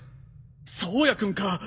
颯也君か。